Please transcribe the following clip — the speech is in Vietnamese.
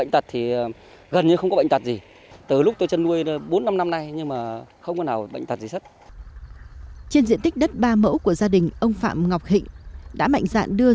trên diện tích đất ba mẫu của gia đình ông phạm ngọc hịnh đã mạnh dạn đưa